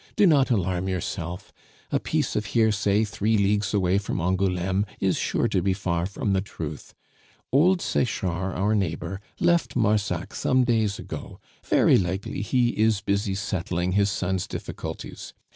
Do not alarm yourself; a piece of hearsay, three leagues away from Angouleme, is sure to be far from the truth. Old Sechard, our neighbor, left Marsac some days ago; very likely he is busy settling his son's difficulties.